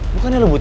bukannya lo buta